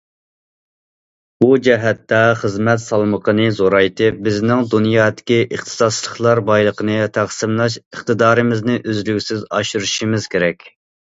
بۇ جەھەتتە خىزمەت سالمىقىنى زورايتىپ، بىزنىڭ دۇنيادىكى ئىختىساسلىقلار بايلىقىنى تەقسىملەش ئىقتىدارىمىزنى ئۈزلۈكسىز ئاشۇرۇشىمىز كېرەك.